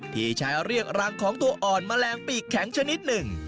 ที่ใช้เรียกรังของตัวอ่อนแมลงปีกแข็งชนิดหนึ่ง